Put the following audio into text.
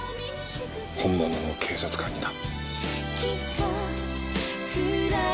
本物の警察官にな。